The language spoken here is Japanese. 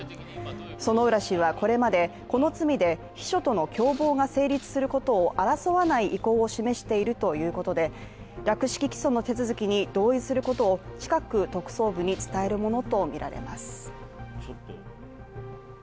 薗浦氏はこれまで、この罪で秘書との共謀が成立することを争わない意向を示しているということで、略式起訴の手続きに同意することを近く特捜部に伝えるものとみられます。